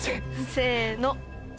せの。